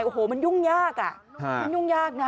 โอ้โหมันยุ่งยากอ่ะมันยุ่งยากนะ